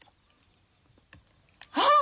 あっ！